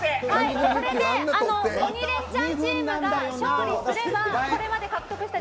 「鬼レンチャン」チームが勝利すればこれまで獲得した